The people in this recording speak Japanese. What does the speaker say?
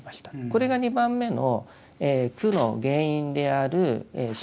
これが２番目の苦の原因である真実。